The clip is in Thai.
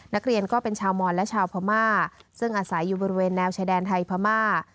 นักเรียนก็เป็นชาวมอนและชาวพม่าซึ่งอาศัยอยู่บริเวณแนวชายแดนไทยพม่า